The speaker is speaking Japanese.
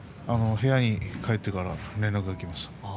部屋に帰ってから連絡が来ました。